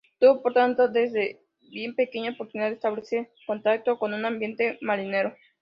Tuvo por tanto desde bien pequeño oportunidad de establecer contacto con un ambiente marinero.